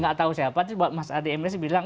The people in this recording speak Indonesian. gak tau siapa jadi mas adi ms bilang